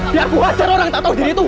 biar ku hajar orang yang tak tahu diri itu